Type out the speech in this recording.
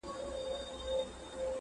شپه د مستۍ ده له خمار سره مي نه لګیږي؛